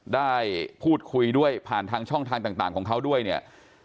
ได้พูดคุยด้วยผ่านทางช่องทางต่างของเขาด้วยเนี่ย